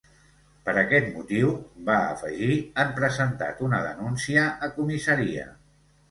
Per aquest motiu, va afegir, han presentat una denúncia a comissaria.